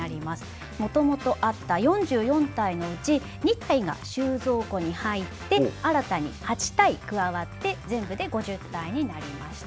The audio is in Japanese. もともとあった４４体のうち２体が収蔵庫に入って新たに８体加わって全部で５０体になりました。